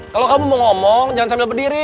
kalau kamu mau ngomong jangan sambil berdiri